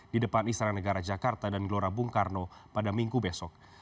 di depan istana negara jakarta dan gelora bung karno pada minggu besok